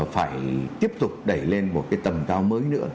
phải tiếp tục đẩy lên một cái tầm cao mới nữa